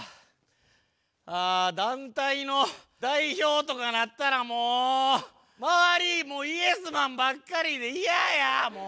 あ団体の代表とかなったらもう周りもイエスマンばっかりで嫌やもう。